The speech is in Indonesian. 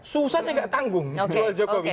susahnya nggak tanggung jual jokowi